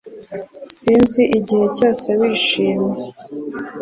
Sinzi igihe cyose wishimye